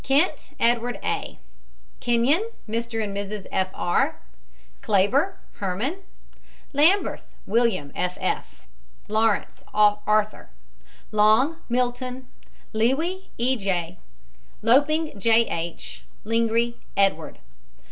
KENT, EDWARD A. KENYON, MR. AND MRS. F. R. KLABER, HERMAN. LAMBERTH, WILLIAM, F. F. LAWRENCE, ARTHUR. LONG, MILTON. LEWY, E. G. LOPING, J. H. LINGREY, EDWARD.